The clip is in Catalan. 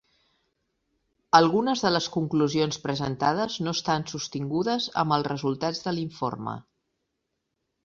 Algunes de les conclusions presentades no estan sostingudes amb els resultats de l'informe.